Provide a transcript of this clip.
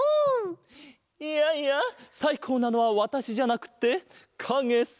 いやいやさいこうなのはわたしじゃなくってかげさ！